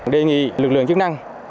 đề nghị lực lượng chức năng